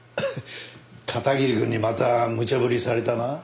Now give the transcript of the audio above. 片桐くんにまたむちゃ振りされたな？